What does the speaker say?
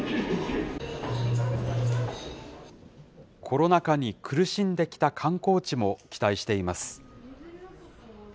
コロナ禍に苦しんできた観光地も期待しています。